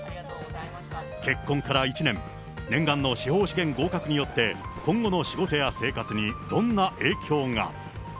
結婚から１年、念願の司法試験合格によって、今後の仕事や生活にどんな影響が。